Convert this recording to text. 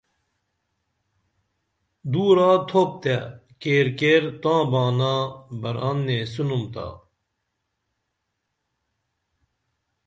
دُورا تُھوپ تے کیر کیر تاں بانا بران نیسِنُم تا